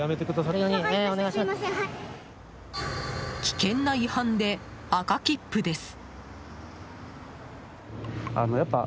危険な違反で赤切符です。